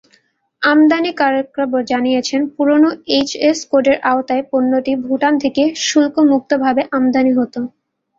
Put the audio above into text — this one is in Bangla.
আমদানিকারকেরা জানিয়েছেন, পুরোনো এইচএস কোডের আওতায় পণ্যটি ভুটান থেকে শুল্কমুক্তভাবে আমদানি হতো।